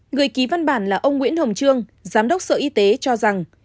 người ký văn bản là ông nguyễn hồng trương giám đốc sở y tế cho rằng